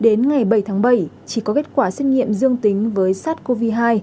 đến ngày bảy tháng bảy chỉ có kết quả xét nghiệm dương tính với sars cov hai